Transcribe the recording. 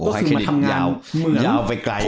ให้ขนาดนี้นกยาวไปไกล